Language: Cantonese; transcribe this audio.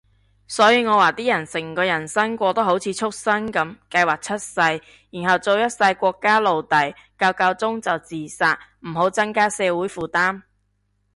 所以我話啲人成個人生過得好似畜牲噉，計劃出世，然後做一世國家奴隸，夠夠鐘就自殺，唔好增加社會負擔